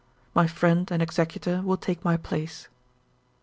My friend and executor will take my place.